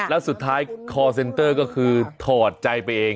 แล้วสุดท้ายคอร์เซ็นเตอร์ก็คือถอดใจไปเอง